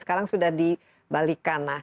sekarang sudah dibalikan